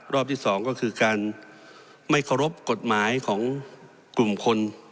รอบที่สองก็คือการไม่เคารพกฎหมายของกลุ่มคน